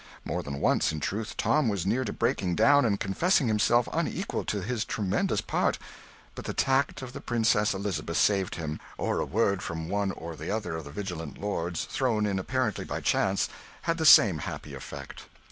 More than once, in truth, Tom was near to breaking down and confessing himself unequal to his tremendous part; but the tact of the Princess Elizabeth saved him, or a word from one or the other of the vigilant lords, thrown in apparently by chance, had the same happy effect.